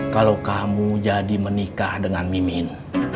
kalau kamu jadi menikah dengan mimin